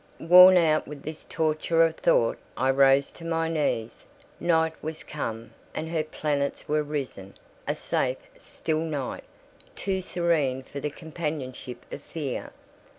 Worn out with this torture of thought, I rose to my knees. Night was come, and her planets were risen: a safe, still night: too serene for the companionship of fear.